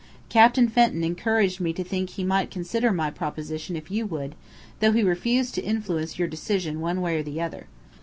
Captain Fenton encouraged me to think he might consider my proposition if you would, though he refused to influence your decision one way or the other.